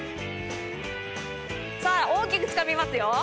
さあ大きくつかみますよ。